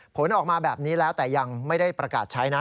ผลออกมาแบบนี้แล้วแต่ยังไม่ได้ประกาศใช้นะ